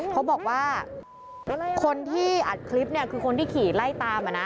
เขาบอกว่าคนที่อัดคลิปเนี่ยคือคนที่ขี่ไล่ตามอ่ะนะ